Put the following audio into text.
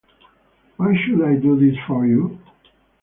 Why should I do this for you?